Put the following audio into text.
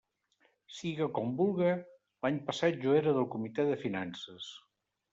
Siga com vulga, l'any passat jo era del Comitè de Finances.